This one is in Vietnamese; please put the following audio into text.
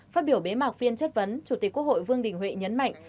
phát biểu bế mạc phiên chất vấn chủ tịch quốc hội vương đình huệ nhấn mạnh